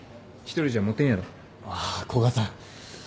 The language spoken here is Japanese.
あっ古賀さん。